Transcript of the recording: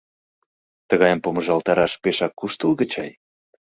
Тыгайым помыжалтараш пешак куштылго чай?